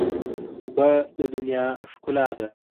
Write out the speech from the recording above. اوبه د دنیا ښکلا ده.